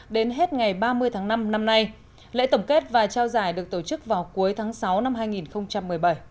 đến hết ngày ba mươi tháng năm năm nay lễ tổng kết và trao giải được tổ chức vào cuối tháng sáu năm hai nghìn một mươi bảy